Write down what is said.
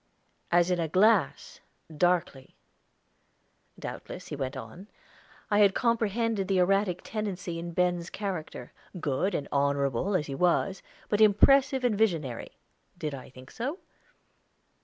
"As in a glass, darkly." Doubtless, he went on, I had comprehended the erratic tendency in Ben's character, good and honorable as he was, but impressive and visionary. Did I think so?